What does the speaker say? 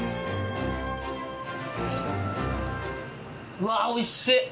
うわっおいしい！